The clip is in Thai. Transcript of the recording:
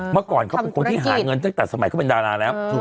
เมื่อก่อนเขาเป็นคนที่หาเงินตั้งแต่สมัยเขาเป็นดาราแล้ว